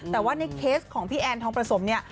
แต่ว่าในเคสของพี่แอนทองประสมเนี่ย